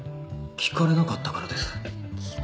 聞かれなかったから？